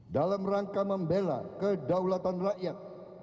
dalam rangka membela kedaulatan rakyat